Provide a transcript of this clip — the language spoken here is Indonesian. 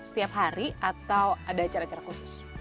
setiap hari atau ada acara acara khusus